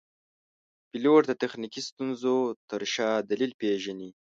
پیلوټ د تخنیکي ستونزو تر شا دلیل پېژني.